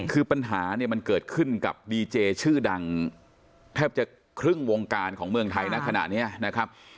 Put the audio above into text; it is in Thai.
คือปัญหาเนี่ยมันเกิดขึ้นกับดีเจชื่อดังแทบจะครึ่งวงการของเมืองไทยนะขณะนี้นะครับ